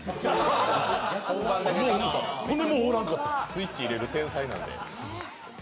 スイッチ入れる天才なんで。